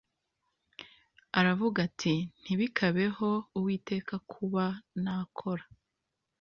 Aravuga ati Ntibikabeho Uwiteka kuba nakora